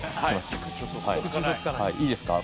いいですか？